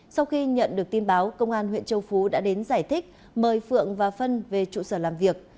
sau khi nhận được tin báo công an huyện châu phú đã đến giải thích mời phượng và phân về trụ sở làm việc